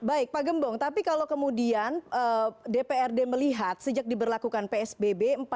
baik pak gembong tapi kalau kemudian dprd melihat sejak diberlakukan psbb